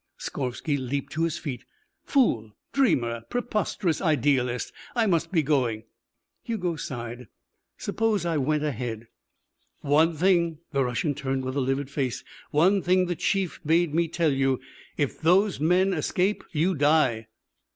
Skorvsky leaped to his feet. "Fool! Dreamer! Preposterous idealist! I must be going." Hugo sighed. "Suppose I went ahead?" "One thing!" The Russian turned with a livid face. "One thing the chief bade me tell you. If those men escape you die."